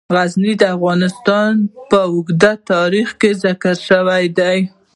غزني د افغانستان په اوږده تاریخ کې ذکر شوی دی.